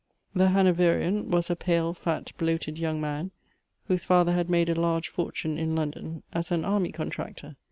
The Hanoverian was a pale, fat, bloated young man, whose father had made a large fortune in London, as an army contractor.